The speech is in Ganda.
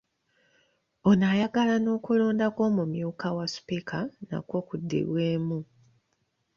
Ono ayagala n’okulonda kw’omumyuka wa sipiika nakwo kuddibwemu .